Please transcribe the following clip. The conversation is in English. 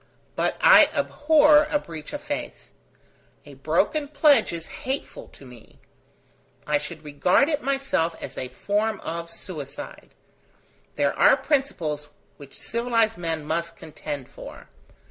But I abhor a breach of faith. A broken pledge is hateful to me. I should regard it myself as a form of suicide. There are principles which civilized men must contend for.